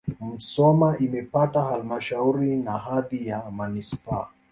Musoma imepata halmashauri na hadhi ya manisipaa.